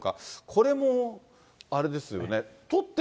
これもあれですよね、